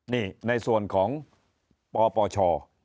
นี่ในส่วนของปปช